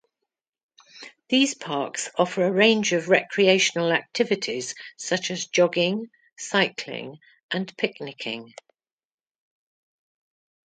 These parks offer a range of recreational activities such as jogging, cycling, and picnicking.